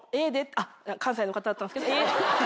関西の方だったんですけど。